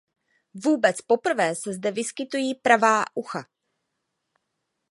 Vůbec poprvé se zde vyskytují pravá ucha.